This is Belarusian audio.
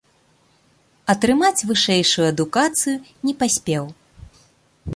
Атрымаць вышэйшую адукацыю не паспеў.